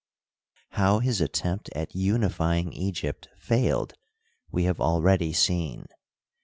How his attempt at uni fying Egypt failed we have already seen.